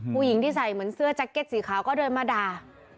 ผู้หญิงที่ใส่เหมือนเสื้อแจ็คเก็ตสีขาวก็เดินมาด่า